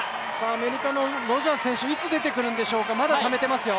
アメリカのロジャース選手、いつ出てくるんでしょうか、まだためてますよ。